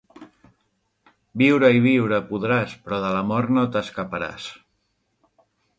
Viure i viure podràs, però de la mort no t'escaparàs.